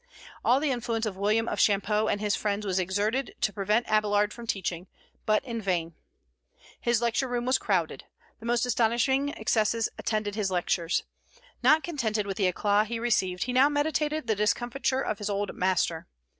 All the influence of William of Champeaux and his friends was exerted to prevent Abélard from teaching, but in vain. His lecture room was crowded. The most astonishing success attended his lectures. Not contented with the éclat he received, he now meditated the discomfiture of his old master.